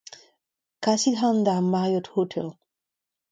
Kasit ac'hanon d'ar Mariott Hotel.